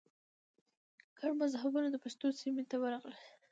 ګڼ مذهبونه د پښتنو سیمې ته ورغلي